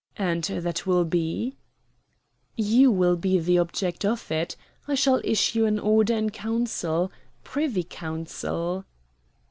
"And that will be?" "You will be the object of it. I shall issue an order in council Privy Council."